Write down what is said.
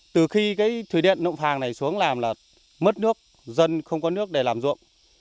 từ khi thủy điện nậm phàng này xuống làm là mất nước dân không có nước để làm dụng